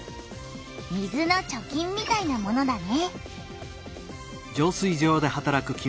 「水の貯金」みたいなものだね。